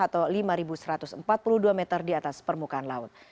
atau lima satu ratus empat puluh dua meter di atas permukaan laut